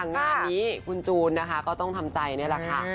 งานนี้คุณจูนนะคะก็ต้องทำใจนี่แหละค่ะ